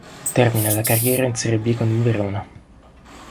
Termina la carriera in Serie B con il Verona.